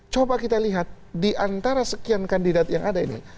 coba kita lihat diantara sekian kandidat yang ada ini